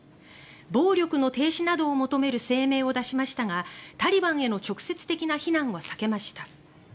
暴力の停止などを求める声明を出しましたがタリバンへの直接的な非難は避けました。